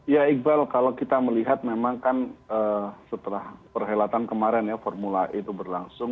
ya iqbal kalau kita melihat memang kan setelah perhelatan kemarin ya formula e itu berlangsung